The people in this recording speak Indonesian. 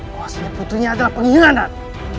bahwasannya putrinya adalah penginginan